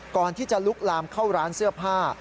ก่อนที่จะลุกลามเข้าร้านเสื้อผ้า